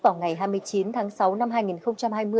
vào ngày hai mươi chín tháng sáu năm hai nghìn hai mươi